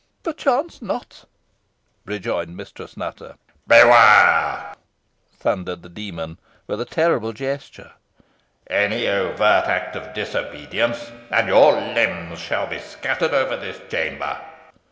"Perchance not," rejoined Mistress Nutter. "Beware!" thundered the demon, with a terrible gesture; "any overt act of disobedience, and your limbs shall be scattered over this chamber."